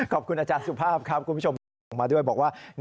ขอบคุณอาจารย์สุภาพครับคุณผู้ชมที่ส่งมาด้วยบอกว่า